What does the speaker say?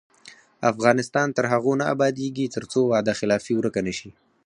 افغانستان تر هغو نه ابادیږي، ترڅو وعده خلافي ورکه نشي.